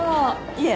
いえ。